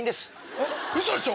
えっウソでしょ